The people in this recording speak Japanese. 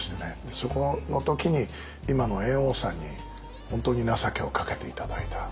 そこの時に今の猿翁さんに本当に情けをかけて頂いた。